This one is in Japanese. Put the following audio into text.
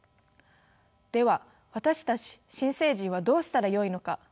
では私たち新成人はどうしたらよいのか？